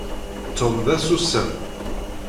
Tom d asusam.